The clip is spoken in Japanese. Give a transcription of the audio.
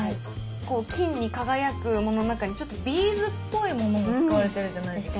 金に輝くものの中にちょっとビーズっぽいものも使われてるじゃないですか？